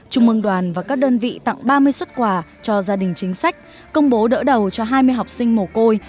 trung mương đoàn và các đơn vị tặng ba mươi xuất quà cho gia đình chính sách công bố đỡ đầu cho hai mươi học sinh mồ côi